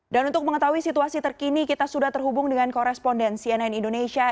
dan untuk mengetahui situasi terkini kita sudah terhubung dengan koresponden cnn indonesia